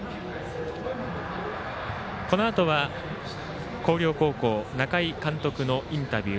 このあとは広陵高校中井監督のインタビュー。